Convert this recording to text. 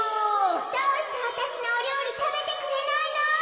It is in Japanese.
「どうしてわたしのおりょうりたべてくれないの？」。